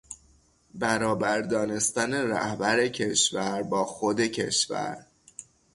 برابر دانستن رهبر کشور با خود کشور